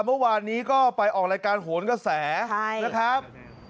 เมื่อวานนี้ก็ไปออกรายการโหนกระแสนะครับ